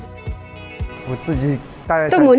tôi muốn trở thành một người bạn